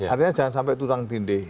artinya jangan sampai tutang tindih